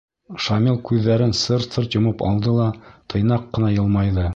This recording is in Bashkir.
Шамил күҙҙәрен сырт-сырт йомоп алды ла тыйнаҡ ҡына йылмайҙы.